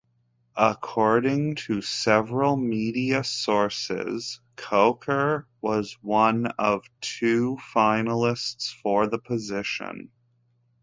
According to several media sources, Coker was one of two finalists for the position.